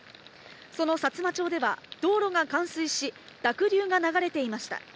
そのさつま町では道路が冠水し、濁流が流れていました。